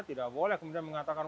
tidak boleh kemudian mengatakan